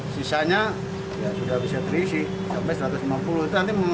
sisanya sudah bisa terisi sampai satu ratus lima puluh